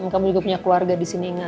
kamu juga punya keluarga disini ingat ya